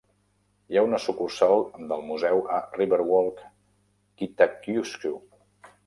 Hi ha una sucursal del museu a Riverwalk Kitakyushu.